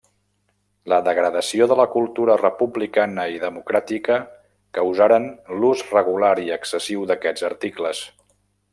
La degradació de la cultura republicana i democràtica causaren l'ús regular i excessiu d'aquests articles.